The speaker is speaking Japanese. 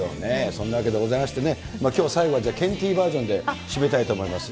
そんなわけでございましてね、きょう最後は、ケンティーバージョンで締めたいと思います。